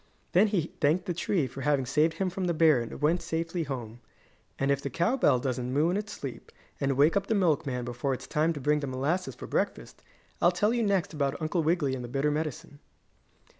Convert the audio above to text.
Then he thanked the tree for having saved him from the bear and went safely home. And if the cow bell doesn't moo in its sleep, and wake up the milkman before it's time to bring the molasses for breakfast, I'll tell you next about Uncle Wiggily and the bitter medicine.